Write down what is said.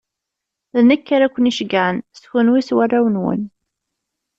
D nekk ara ken-iɛeggcen, s kenwi s warraw-nwen.